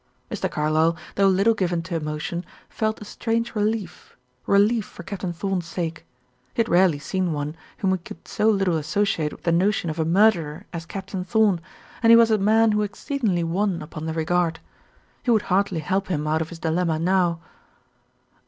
Mr. Carlyle, though little given to emotion, felt a strange relief relief for Captain Thorn's sake. He had rarely seen one whom he could so little associate with the notion of a murderer as Captain Thorn, and he was a man who exceedingly won upon the regard. He would heartily help him out of his dilemma now.